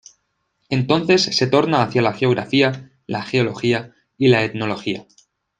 Entonces se torna hacia la geografía, la geología y la etnología.